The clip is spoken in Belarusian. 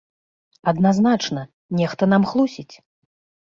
Адназначна, нехта нам хлусіць!